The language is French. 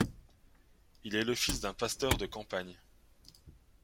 Il est le fils d'un pasteur de campagne.